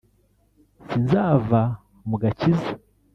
sinzava mu gakiza